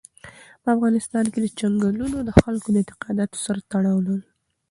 په افغانستان کې چنګلونه د خلکو د اعتقاداتو سره تړاو لري.